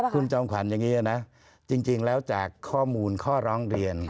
คุณจอมขวัญอย่างนี้นะจริงแล้วจากข้อมูลข้อร้องเรียน